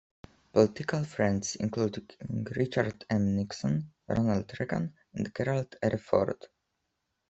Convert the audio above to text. Political friends included Richard M. Nixon, Ronald Reagan and Gerald R. Ford.